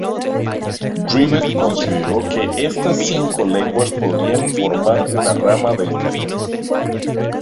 Rivet consideró que estas cinco lenguas podrían formar una rama del caribe.